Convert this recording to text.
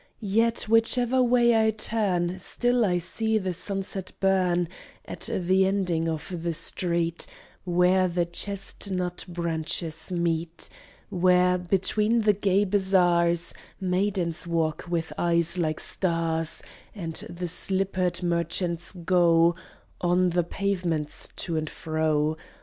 Yet, whichever way I turn, Still I see the sunset burn At the ending of the street, Where the chestnut branches meet; Where, between the gay bazaars, Maidens walk with eyes like stars, And the slippered merchants go On the pavements to and fro.